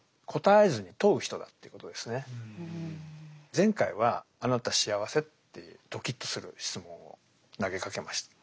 前回は「あなた幸せ？」っていうどきっとする質問を投げかけました。